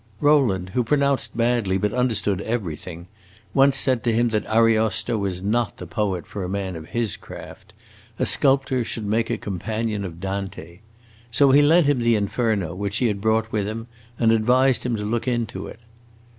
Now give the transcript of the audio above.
Rowland, who pronounced badly but understood everything, once said to him that Ariosto was not the poet for a man of his craft; a sculptor should make a companion of Dante. So he lent him the Inferno, which he had brought with him, and advised him to look into it.